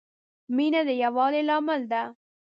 مینه د یووالي لامل ده.